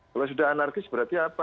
kalau sudah anarkis berarti apa